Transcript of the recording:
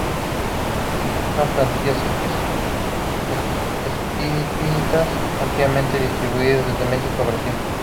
Son plantas epífitas ampliamente distribuidas desde Mexico a Brasil.